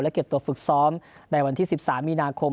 เก็บตัวฝึกซ้อมในวันที่๑๓มีนาคม